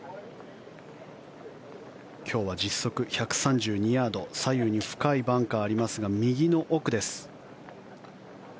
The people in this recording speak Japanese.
今日は実測１３２ヤード左右に深いバンカーがありますが右の奥です。